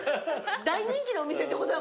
大人気のお店ってことだもんね。